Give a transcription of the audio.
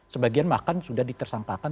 sebagian bahkan sudah ditersangkakan